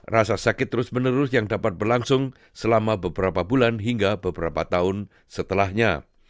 rasa sakit terus menerus yang dapat berlangsung selama beberapa bulan hingga beberapa tahun setelahnya